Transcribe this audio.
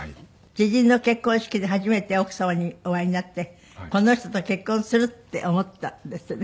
知人の結婚式で初めて奥様にお会いになってこの人と結婚するって思ったんですってね。